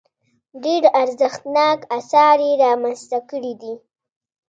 ډېر ارزښتناک اثار یې رامنځته کړي دي.